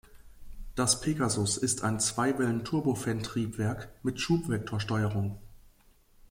Das Pegasus ist ein Zweiwellen-Turbofan-Triebwerk mit Schubvektorsteuerung.